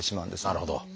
なるほど。